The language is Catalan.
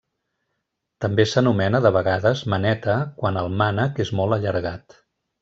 També s'anomena de vegades maneta quan el mànec és molt allargat.